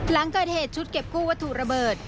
หลังเกิดเหตุชุดเก็บกู้วัตถุระเบิด